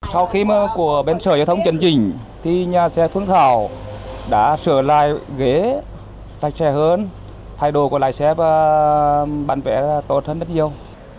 sau khi mà của bên sở giao thông chân trình thì nhà xe phương thảo đã sửa lại ghế phát xe hơn thay đồ của lại xe và bàn vẽ tốt hơn rất nhiều